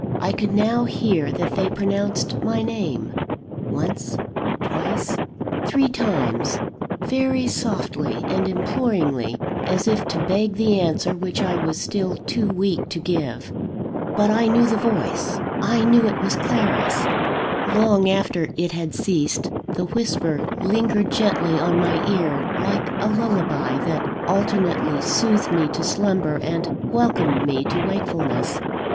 I could now hear that they pronounced my name once, twice, three times very softly and imploringly, as if to beg the answer which I was still too weak to give. But I knew the voice: I knew it was Clara's. Long after it had ceased, the whisper lingered gently on my ear, like a lullaby that alternately soothed me to slumber, and welcomed me to wakefulness.